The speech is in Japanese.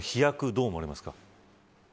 どうも思われますか。